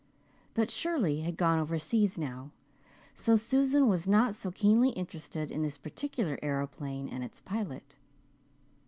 But Shirley had gone overseas now, so Susan was not so keenly interested in this particular aeroplane and its pilot.